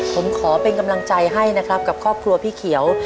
ผมขอเป็นกำลังใจให้นะครับกับครอบครัวพี่เขียว